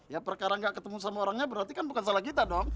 ya perkara nggak ketemu sama orangnya berarti kan bukan salah kita dong